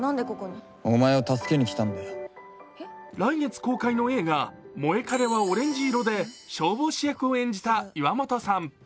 来月公開の映画「モエカレはオレンジ色」で消防士役を演じた岩本さん。